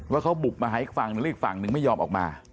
ว่าเขาบุบมาให้อีกฟังยังอีกฟังนึงไม่ยอมออกมา